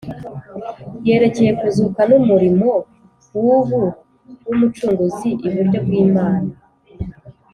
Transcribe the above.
yerekeye kuzuka n'umurimo w'ubu w'Umucunguzi iburyo bw'Imana.